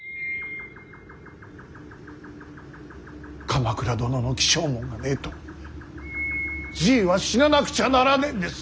鎌倉殿の起請文がねえとじいは死ななくちゃならねえんです。